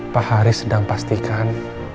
pak haris sedang pastikan